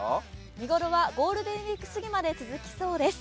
見頃はゴールデンウイークすぎまで続きそうです。